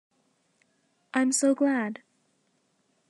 I'm so glad!